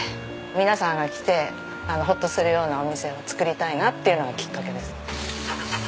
皆さんが来てホッとするようなお店を作りたいなっていうのがきっかけです。